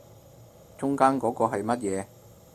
中間嗰個係乜嘢